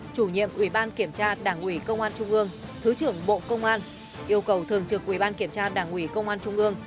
chủ nhiệm ủy ban kiểm tra đảng ủy công an trung ương thứ trưởng bộ công an yêu cầu thường trực ủy ban kiểm tra đảng ủy công an trung ương